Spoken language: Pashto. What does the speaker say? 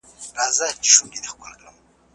سيالي کيفيت لوړوي.